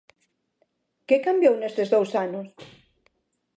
Que cambiou nestes dous anos?